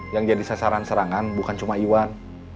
yang jadi sasaran serangan bukan cuma iwan